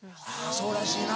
そうらしいな。